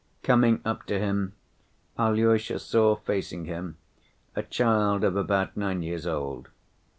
Coming up to him, Alyosha saw facing him a child of about nine years old.